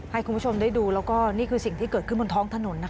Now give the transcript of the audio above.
ให้คุณผู้ชมได้ดูแล้วก็นี่คือสิ่งที่เกิดขึ้นบนท้องถนนนะคะ